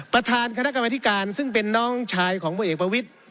ประธานคณะกรรมธิการซึ่งเป็นน้องชายของพลเอกประวิทธิ